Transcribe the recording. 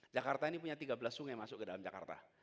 jakarta ini punya tiga belas sungai masuk ke dalam jakarta